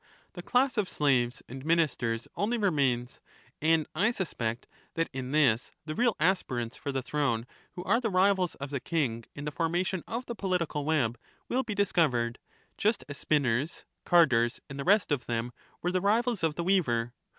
The class of slaves and ministers only remains, and ^^^ I suspect that in this the real aspirants for the throne, who herding. are the rivals of the king in the formation of the political Thus web, will be discovered ; just as spinners, carders, and the ^^to^^ rest of them, were the rivals of the weaver.